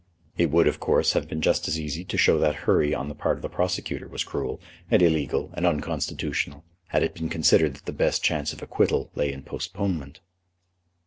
It would, of course, have been just as easy to show that hurry on the part of the prosecutor was cruel, and illegal, and unconstitutional, had it been considered that the best chance of acquittal lay in postponement.